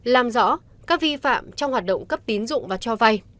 làm rõ các vi phạm trong hoạt động cấp tín dụng và cho vay